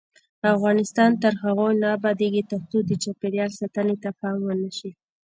افغانستان تر هغو نه ابادیږي، ترڅو د چاپیریال ساتنې ته پام ونشي.